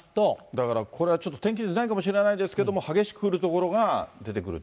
だからこれ、ちょっと天気図にないかもしれないですけど、激しく降る所が出て